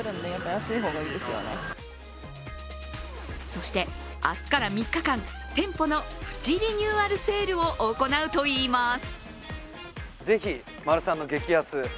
そして、明日から３日間、店舗のプチリニューアルセールを行うといいます。